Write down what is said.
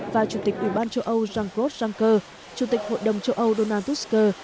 và chủ tịch ủy ban châu âu jean claude juncker chủ tịch hội đồng châu âu donald tusker